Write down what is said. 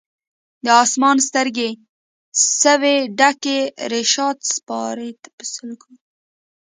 د اسمان سترګي سوې ډکي رشاد سپاري په سلګو کي